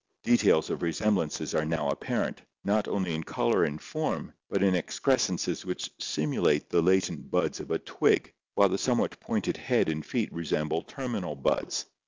Details of resemblance are now apparent, not only in color and form but in excrescences which simulate the latent buds of a twig, while the somewhat pointed head and feet resemble terminal buds.